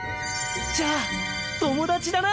じゃあ友達だな！